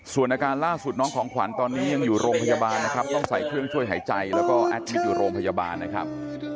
ส่วนอาการล่าสุดน้องของขวัญตอนนี้ยังอยู่โรงพยาบาลนะครับต้องใส่เครื่องช่วยหายใจแล้วก็แอดมิตรอยู่โรงพยาบาลนะครับ